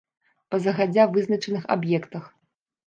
Па загадзя вызначаных аб'ектах.